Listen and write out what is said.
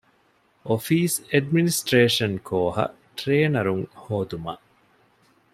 އޮފީސް އެޑްމިނިސްޓްރޭޝަން ކޯހަށް ޓްރޭނަރުން ހޯދުމަށް